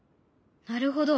なるほど。